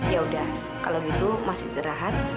ya udah kalau gitu masih istirahat